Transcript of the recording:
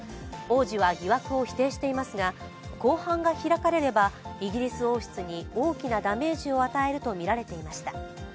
王子は疑惑を否定していますが、公判が開かれればイギリス王室に大きなダメージを与えるとみられていました。